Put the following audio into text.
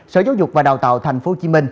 sở giáo dục và đào tạo tp hcm